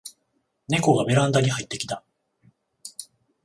ネコがベランダに入ってきた